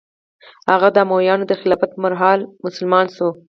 هغه د امویانو د خلافت پر مهال مسلمان شوی.